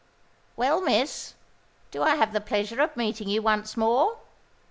"Well, Miss—do I have the pleasure of meeting you once more?"